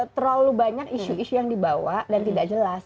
terlalu banyak isu isu yang dibawa dan tidak jelas